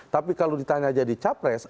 tapi kalau ditanya jadi capres